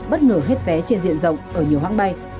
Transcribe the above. bất ngờ hết vé trên diện rộng ở nhiều hãng bay